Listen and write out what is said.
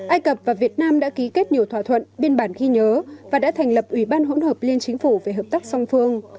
ai cập và việt nam đã ký kết nhiều thỏa thuận biên bản ghi nhớ và đã thành lập ủy ban hỗn hợp liên chính phủ về hợp tác song phương